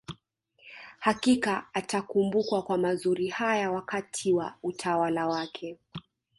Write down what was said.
Hakika atakumbukwa kwa mazuri haya wakati wa utawala wake